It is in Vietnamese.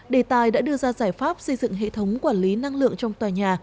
đề tài đã đưa ra giải pháp xây dựng hệ thống quản lý năng lượng trong tòa nhà